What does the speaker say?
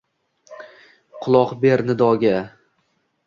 Quloq ber nidoga